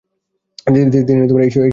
তিনি এই শহরে গুরু মন্দির স্থাপন করেন।